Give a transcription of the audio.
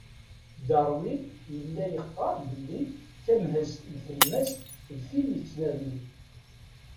Darwin yella yeqqar belli tamhezt n telmas d tin yettnernin.